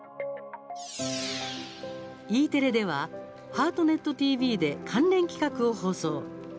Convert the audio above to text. Ｅテレでは「ハートネットＴＶ」で関連企画を放送。